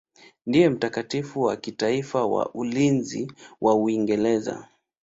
Ndiye mtakatifu wa kitaifa wa ulinzi wa Uingereza.